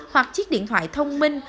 hoặc chiếc điện thoại thông minh